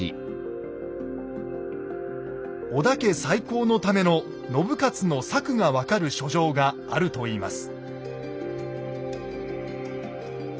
織田家再興のための信雄の策が分かる書状があるといいます。